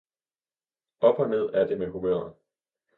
Op og ned er det med humøret!